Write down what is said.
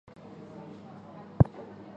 奥尔谢斯。